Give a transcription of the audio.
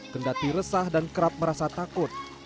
kendati resah dan kerap merasa takut